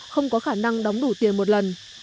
không có khả năng đóng đủ tiền một lần